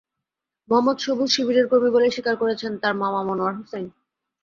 মোহাম্মদ সবুজ শিবিরের কর্মী বলে স্বীকার করেছেন তাঁর মামা মনোয়ার হোসেন।